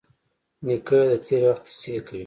نیکه د تېر وخت کیسې کوي.